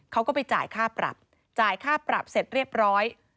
เขาก็ไปจ่ายค่าปรับจ่ายค่าปรับเสร็จเรียบร้อย